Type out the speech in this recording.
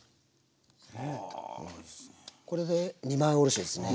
これで二枚おろしですね。